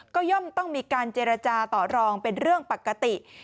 ก็ย่อมต้องมีการเจรจาต่อรองเป็นเรื่องปกติ